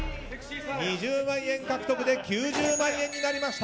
２０万円獲得で９０万円になりました。